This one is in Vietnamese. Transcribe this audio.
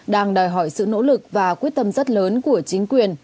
đang đòi hỏi sự nỗ lực và quyết tâm rất lớn của chính quyền